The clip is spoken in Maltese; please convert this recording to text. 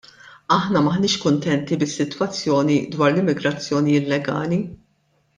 Aħna m'aħniex kuntenti bis-sitwazzjoni dwar l-immigrazzjoni illegali.